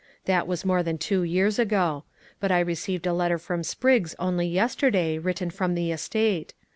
That was more than two years ago. But I received a letter from Spriggs only yesterday, written from the estate.